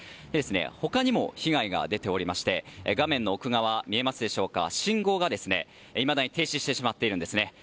他にも被害が出ておりまして画面の奥側信号がいまだに停止してしまっているんですね。